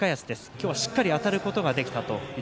今日はしっかりあたることができた。